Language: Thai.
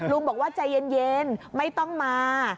ลุงบอกว่าใจเย็นไม่ต้องมา